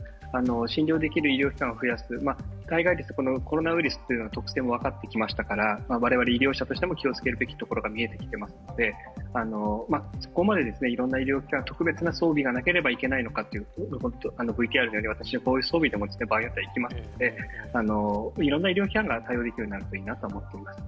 診療できる医療機関を増やす、コロナウイルスというのは特性も分かってきましたから、我々医療者としても気をつけるべきところが見えてきていますのでそこまでいろんな医療機関、特別な装備がなければいけないのか、私はこういう装備でも場合によっては行きますので、いろんな医療機関が対応できるようになったらいいなと思っています。